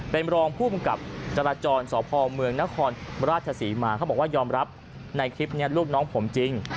เป็นรองภูมิกับจราจรสพเมืองนครราชศรีมาเขาบอกว่ายอมรับในคลิปนี้ลูกน้องผมจริง